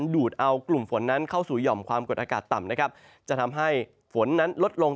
ดูดเอากลุ่มฝนนั้นเข้าสู่หย่อมความกดอากาศต่ำนะครับจะทำให้ฝนนั้นลดลง